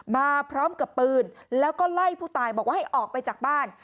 มาพร้อมกับปืนแล้วก็ไล่ผู้ตายบอกว่าให้ออกไปจากบ้าน